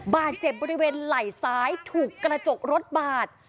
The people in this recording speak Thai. บาดเจ็บบริเวณไหล่ซ้ายถูกกระจกรถบาด